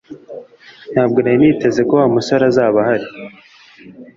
Ntabwo nari niteze ko Wa musore azaba ahari